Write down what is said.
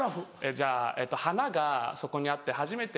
じゃあ花がそこにあって初めて。